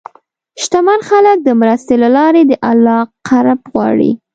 شتمن خلک د مرستې له لارې د الله قرب غواړي.